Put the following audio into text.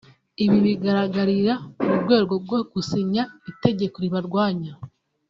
Ibi bigaragarira mu gikorwa cyo gusinya itegeko ribarwanya